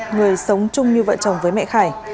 người sống chung như vợ chồng với mẹ khải